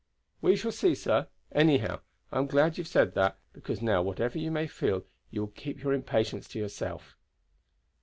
"We shall see, sir. Anyhow, I am glad you have said that, because now whatever you may feel you will keep your impatience to yourself."